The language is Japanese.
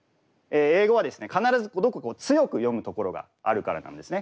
英語はですね必ずどこか強く読む所があるからなんですね。